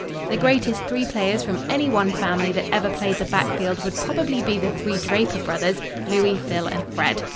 The greatest three players from any one family that ever played the backfield would probably be the three Draper brothers Louis, Phil and Fred.